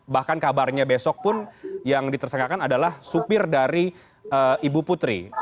bahkan kabarnya besok pun yang ditersangkakan adalah supir dari ibu putri